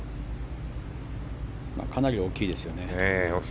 かなり大きいですよね。